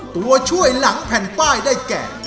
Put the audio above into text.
ตัวช่วยหลังแผ่นป้ายได้แก่